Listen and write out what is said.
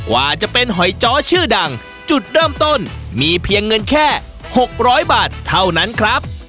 ว่าจะเป็นหอยจ้อชื่อดังจุดเริ่มต้นมีเพียงเงินแค่๖๐๐บาทเท่านั้นครับ